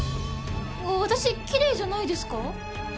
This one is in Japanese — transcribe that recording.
私きれいじゃないですか？